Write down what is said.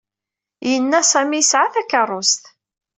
Yenna Sami yesɛa takeṛṛust.